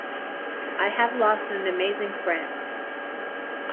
I have lost an amazing friend.